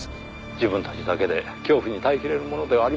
「自分たちだけで恐怖に耐えきれるものではありません」